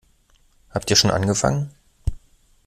Habt ihr schon angefangen?